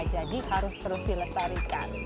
jadi harus terus dilestarikan